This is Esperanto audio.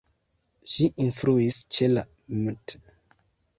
Ŝi instruis ĉe la "Mt.